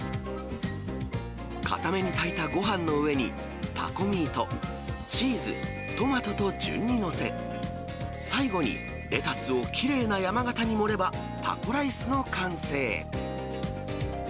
硬めに炊いたごはんの上にタコミート、チーズ、トマトと順に載せ、最後にレタスをきれいな山型に盛れば、タコライスの完成。